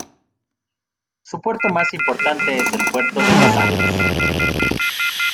Su puerto más importante es el Puerto de Pasajes.